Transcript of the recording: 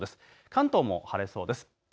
関東も晴れそうです。